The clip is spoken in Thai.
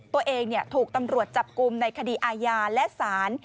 ตัวเองถูกตำรวจจับกลุ่มในคดีอาญาและศาล